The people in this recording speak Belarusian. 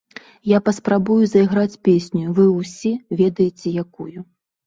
Я паспрабую зайграць песню, вы ўсе ведаеце якую.